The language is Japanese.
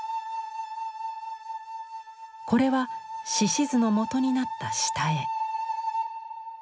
これは「獅子図」のもとになった下絵。